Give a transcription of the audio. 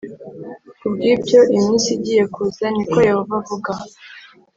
Ku Bw Ibyo Iminsi Igiye Kuza Ni Ko Yehova Avuga